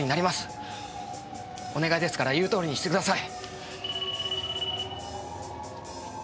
お願いですから言う通りにしてください。